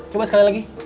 coba sekali lagi